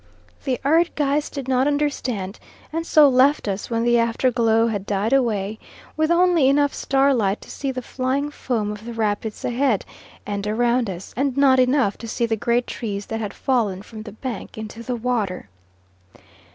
The Erd geist did not understand, and so left us when the afterglow had died away, with only enough starlight to see the flying foam of the rapids ahead and around us, and not enough to see the great trees that had fallen from the bank into the water.